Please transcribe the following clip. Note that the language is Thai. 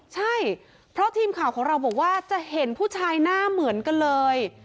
ใช่เพราะทีมข่าวของเราบอกว่าจะเห็นผู้ชายหน้าเหมือนกันเลย